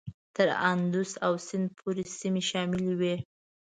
تر اندوس او سیند پورې سیمې شاملي وې.